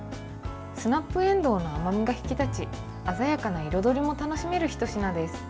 スナップえんどうの甘みが引き立ち鮮やかな彩りも楽しめるひと品です。